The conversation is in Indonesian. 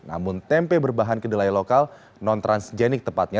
namun tempe berbahan kedelai lokal non transgenik tepatnya